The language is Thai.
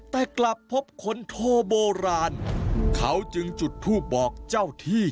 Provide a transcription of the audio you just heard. แต่กลับพบคนโทโบราณเขาจึงจุดทูปบอกเจ้าที่